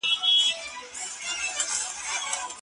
د وطن ازادي د هر چا لوړه هیله وي.